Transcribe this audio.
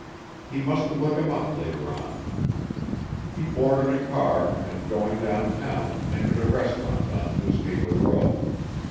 He must look him up later on. He boarded a car and, going down town, entered a restaurant on Newspaper Row.